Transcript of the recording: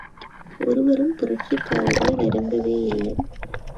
ஒருவரும் புரட்சிக்காரரை நெருங்கவேயில்லை.